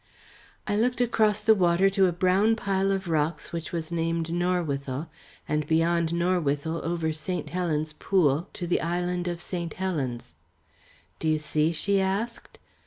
I looked across the water to a brown pile of rocks which was named Norwithel, and beyond Norwithel over St. Helen's Pool to the island of St. Helen's. "Do you see?" she asked.